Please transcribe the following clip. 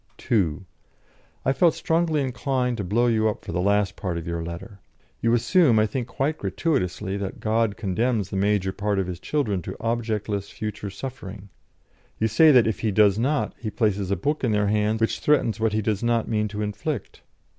"(2) I felt strongly inclined to blow you up for the last part of your letter. You assume, I think quite gratuitously, that God condemns the major part of His children to objectless future suffering. You say that if He does not, He places a book in their hands which threatens what He does not mean to inflict.